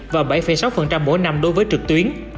và bảy sáu mỗi năm đối với trực tuyến